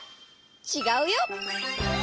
ちがうよ！